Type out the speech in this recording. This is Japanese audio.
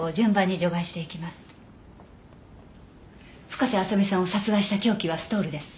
深瀬麻未さんを殺害した凶器はストールです。